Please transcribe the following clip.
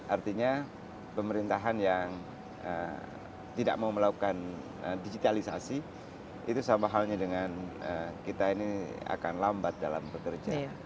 artinya pemerintahan yang tidak mau melakukan digitalisasi itu sama halnya dengan kita ini akan lambat dalam bekerja